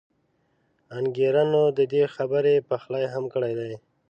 انګېرنو د دې خبرې پخلی هم کړی دی.